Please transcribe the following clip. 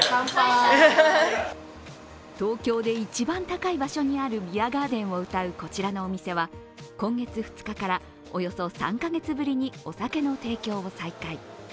東京で一番高い場所にあるビアガーデンをうたうこちらのお店は今月２日からおよそ３カ月ぶりにお酒の提供を再開。